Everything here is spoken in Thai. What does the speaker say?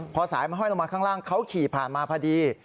พอสายมันห้อยลงมาข้างล่างเขาขี่ผ่านมาพอดี